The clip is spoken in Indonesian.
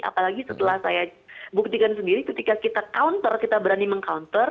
apalagi setelah saya buktikan sendiri ketika kita counter kita berani meng counter